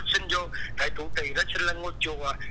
sinh vô thầy thủ tỳ đó sinh lên ngôi chùa